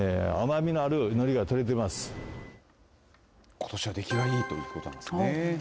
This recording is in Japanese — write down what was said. ことしは出来がいいということなんですね。